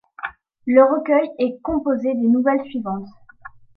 Le recueil est composé des nouvelles suivantes.